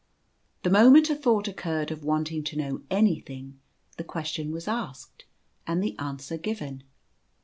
The moment a thought occurred of wanting to know anything, the question was asked and the answer given.